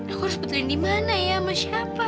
aku harus berada dimana ya sama siapa